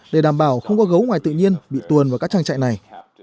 để đảm bảo không có gấu ngoài tự nhiên bị tuồn vào các trang trại này